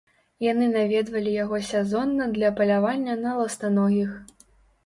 Яны наведвалі яго сезонна для палявання на ластаногіх.